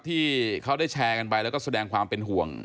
ที่เขาได้แชร์กันไปแล้วก็แสดงความเป็นห่วง